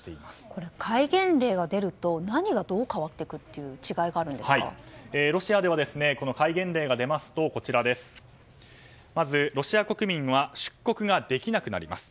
これ、戒厳令が出ると何がどう変わっていくというロシアでは戒厳令が出ますとまず、ロシア国民は出国ができなくなります。